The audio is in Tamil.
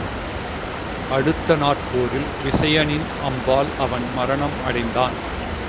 அடுத்த நாட்போரில் விசயனின் அம்பால் அவன் மரணம் அடைந்தான்.